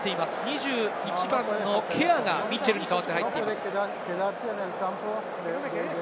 ２１番のケアがミッチェルに代わって入っています。